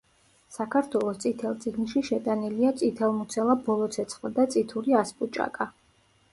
საქართველოს „წითელ წიგნში“ შეტანილია წითელმუცელა ბოლოცეცხლა და წითური ასპუჭაკა.